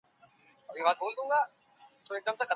د احمد شاه ابدالي توره د تاریخ په پاڼو کي څنګه یادیږي؟